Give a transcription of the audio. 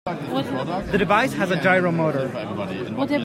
The device has a gyro motor.